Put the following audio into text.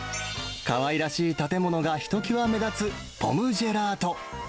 かわいらしい建物がひときわ目立つ、ポムジェラート。